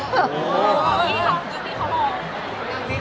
มีลูกคนแรกก็มีคนที่สองเวลาอะไรอย่างเงี้ย